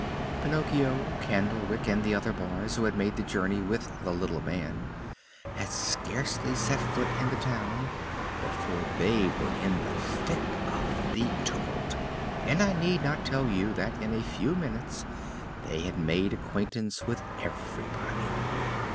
Pinocchio, Candlewick and the other boys who had made the journey with the little man, had scarcely set foot in the town before they were in the thick of the tumult, and I need not tell you that in a few minutes they had made acquaintance with everybody.